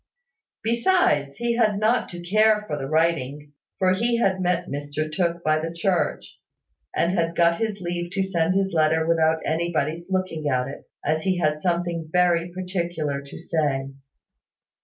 Besides, he had not to care for the writing; for he had met Mr Tooke by the church, and had got his leave to send his letter without anybody's looking at it, as he had something very particular to say.